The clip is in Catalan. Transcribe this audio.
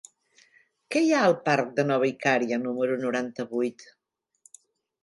Què hi ha al parc de Nova Icària número noranta-vuit?